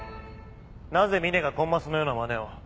なぜ峰がコンマスのようなマネを？